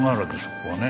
ここはね。